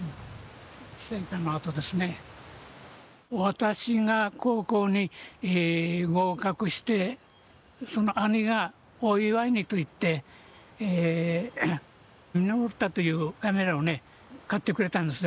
私が高校に合格して兄がお祝いにと言ってミノルタというカメラをね買ってくれたんですよ。